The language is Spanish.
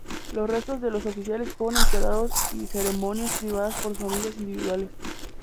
Los restos de los oficiales fueron enterrados en ceremonias privadas por sus familias individuales.